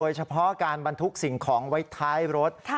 เฉพาะการบรรทุกสิ่งของไว้ท้ายรถ